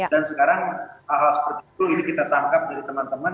dan sekarang hal seperti itu kita tangkap dari teman teman